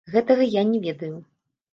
Гэтага я не ведаю.